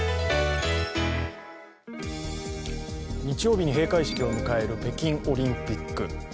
日曜日に閉会式を迎える北京オリンピック。